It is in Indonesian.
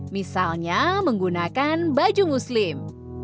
misalnya menggunakan baju muslim